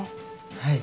はい。